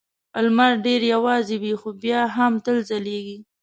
لمر ډېر یوازې وي خو بیا هم تل ځلېږي.